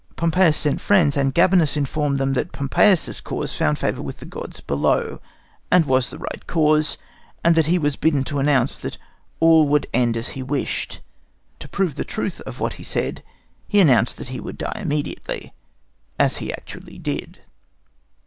Pompeius sent friends, and Gabienus informed them that Pompeius's cause found favour with the gods below, and was the right cause, and that he was bidden to announce that all would end as he wished. To prove the truth of what he said, he announced that he would die immediately, as he actually did.